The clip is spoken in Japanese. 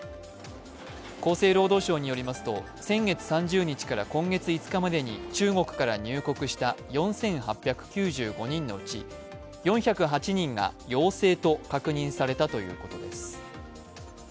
厚生労働省によりますと先月３０日から今月５日までに中国から入国した４８９５人のうち、４０８人が陽性と確認されたということです。